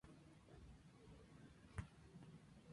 Asi unieron a Brandon Park a la banda.